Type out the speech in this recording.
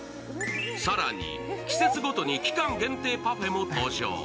更に、季節ごとに期間限定パフェも登場。